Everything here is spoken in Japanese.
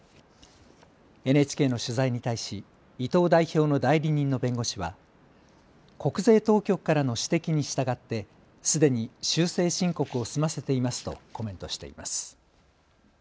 ＮＨＫの取材に対し伊藤代表の代理人の弁護士は国税当局からの指摘に従ってすでに修正申告を済ませていますとコメントしています。